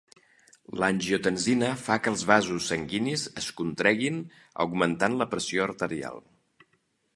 L'angiotensina fa que els vasos sanguinis es contreguin augmentant la pressió arterial.